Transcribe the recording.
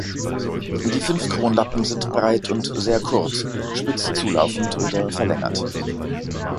Die fünf Kronlappen sind breit und sehr kurz, spitz zulaufend oder verlängert.